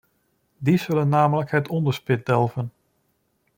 Die zullen namelijk het onderspit delven.